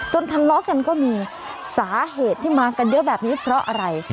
จนทำร้อกกันก็มีสาเหตุที่มากันเดียวแบบนี้เพราะอะไร